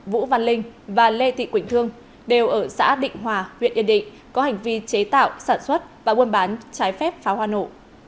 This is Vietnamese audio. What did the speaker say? vũ văn linh và lê thị quỳnh thương đều ở xã định hòa huyện yên định có hành vi chế tạo sản xuất và buôn bán trái phép pháo hoa nổ